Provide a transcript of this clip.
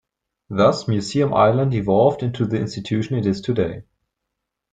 Thus Museum Island evolved into the institution it is today.